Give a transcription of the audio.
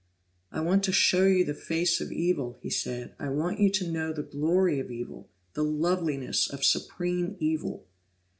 "I want to show you the face of evil," he said. "I want you to know the glory of evil, the loveliness of supreme evil!"